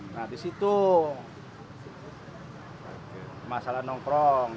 nah disitu masalah nongkrong